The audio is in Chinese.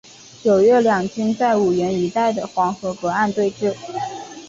九月两军在五原一带的黄河隔岸对峙。